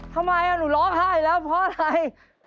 ทำไมหนูร้องไห้แล้วเพราะอะไร